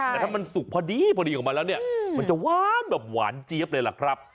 แต่ถ้ามันสุกพอดีพอดีออกมาแล้วเนี่ยมันจะหวานแบบหวานเจี๊ยบเลยล่ะครับ